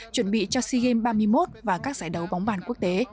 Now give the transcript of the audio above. chuẩn bị cho sea games ba mươi một và các giải đấu bóng bàn quốc tế